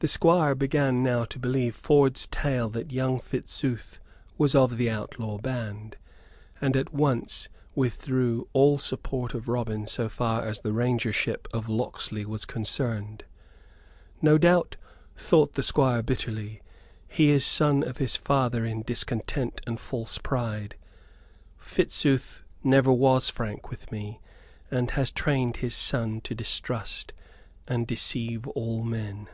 The Squire began now to believe Ford's tale that young Fitzooth was of the outlaw band, and at once withdrew all support of Robin so far as the Rangership of Locksley was concerned. "No doubt," thought the Squire, bitterly, "he is son of his father in discontent and false pride. Fitzooth never was frank with me, and has trained his son to distrust and deceive all men."